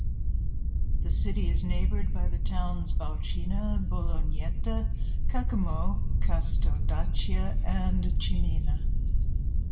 The city is neighbored by the towns Baucina, Bolognetta, Caccamo, Casteldaccia and Ciminna.